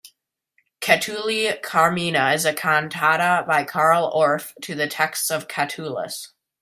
"Catulli Carmina" is a cantata by Carl Orff to the texts of Catullus.